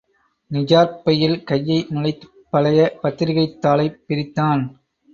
நிஜார்ப்பையில் கையை நுழைத்துப் பழைய பத்திரிகைத்தாளைப் பிரித்தான்.